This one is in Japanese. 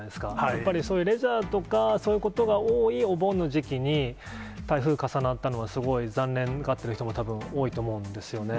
やっぱりそういうレジャーとか、そういうことが多いお盆の時期に、台風重なったのは、すごい残念がってる人もたぶん多いと思うんですよね。